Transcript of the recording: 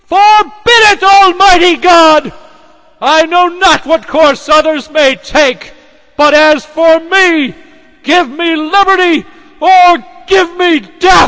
Forbid it, Almighty God! I know not what course others may take; but as for me, give me liberty or give me death!